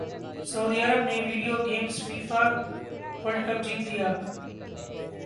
سعودی عرب نے video games FIFA World Cup جیت لیا